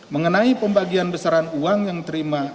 mengenai pembagian besaran uang yang terima